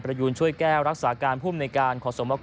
ประยุณช่วยแก้วรักษาการผู้มันในการ